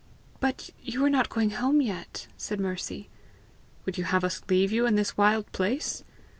"But you were not going home yet!" said Mercy. "Would you have us leave you in this wild place?"